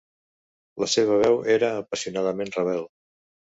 La seva veu era apassionadament rebel.